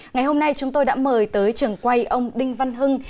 ngày hôm nay chúng tôi đã mời tới trường quay ông đinh văn hưng